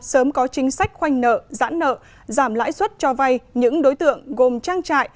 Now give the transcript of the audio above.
sớm có chính sách khoanh nợ giãn nợ giảm lãi suất cho vay những đối tượng gồm trang trại